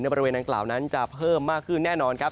บริเวณดังกล่าวนั้นจะเพิ่มมากขึ้นแน่นอนครับ